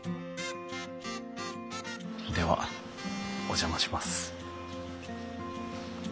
ではお邪魔します。